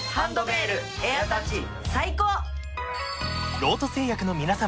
ロート製薬の皆様